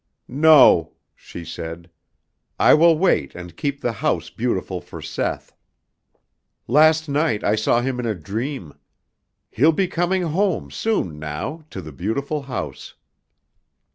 "No," she said. "I will wait and keep the house beautiful for Seth. Last night I saw him in a dream. He'll be coming home soon now to the beautiful house."